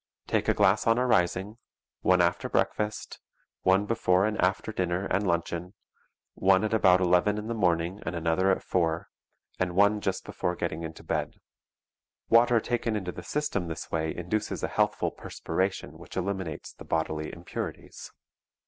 Take a glass on arising, one after breakfast, one before and after dinner and luncheon, one at about eleven in the morning and another at four, and one just before getting into bed. Water taken into the system this way induces a healthful perspiration which eliminates the bodily impurities.